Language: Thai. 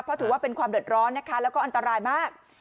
เพราะถือว่าเป็นความเดือดร้อนนะคะแล้วก็อันตรายมาก